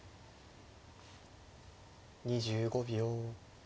２５秒。